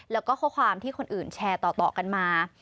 แล้วก็ข้อความที่คนอื่นแชร์ต่อกันมา